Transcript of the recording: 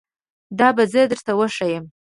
دا به زه درته وښایم